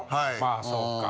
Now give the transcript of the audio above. まあそっか。